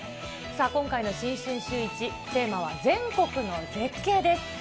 さあ、今回の新春シューイチ、テーマは全国の絶景です。